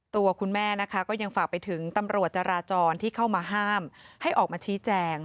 ตัวคุณแม่นะคะก็ยังฝากไปถึงตำรวจจราจรที่เข้ามาห้ามให้ออกมาชี้แจง